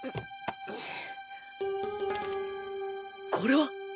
これは！